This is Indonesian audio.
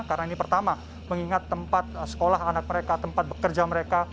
karena ini pertama mengingat tempat sekolah anak mereka tempat bekerja mereka